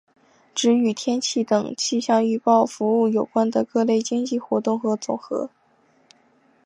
指与天气等气象预报服务有关的各类经济活动的总和。